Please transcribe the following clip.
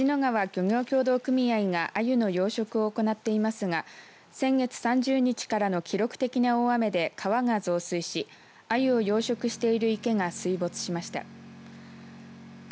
椹野川の川沿いでは椹野川漁業協同組合がアユの養殖を行っていますが先月３０日からの記録的な大雨で川が増水しアユを養殖している池が水没しました。